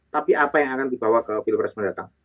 tapi apa yang akan dibawa ke pilpres mendatang